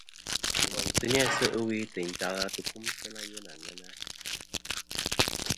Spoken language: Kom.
Ngòynsɨ ni-æ se' ɨwe tèyn tɨ ka tɨkuŋtɨ na yeyn àŋena.